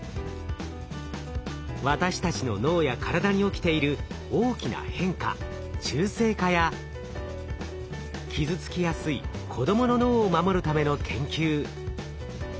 私たちの脳や体に起きている大きな変化中性化や傷つきやすい子どもの脳を守るための研究。